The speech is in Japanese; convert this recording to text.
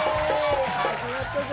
始まったぜい！